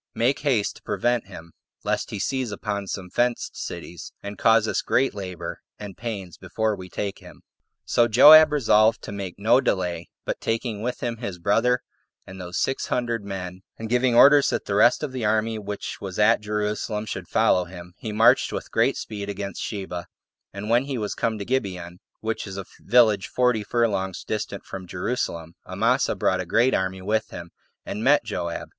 Make haste to prevent him, lest he seize upon some fenced cities, and cause us great labor and pains before we take him." 7. So Joab resolved to make no delay, but taking with him his brother, and those six hundred men, and giving orders that the rest of the army which was at Jerusalem should follow him, he marched with great speed against Sheba; and when he was come to Gibeon, which is a village forty furlongs distant from Jerusalem, Amasa brought a great army with him, and met Joab.